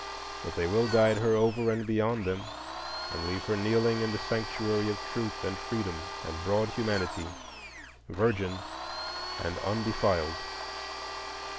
But they will guide her over and beyond them, and leave her kneeling in the Sanctuary of Truth and Freedom and broad Humanity, virgin and undefiled.